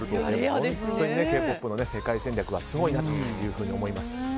本当にＫ‐ＰＯＰの世界戦略はすごいなと思います。